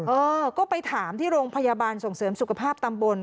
เออก็ไปถามที่โรงพยาบาลส่งเสริมสุขภาพตำบล